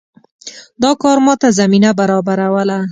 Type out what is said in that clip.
دا کار ماته زمینه برابروله.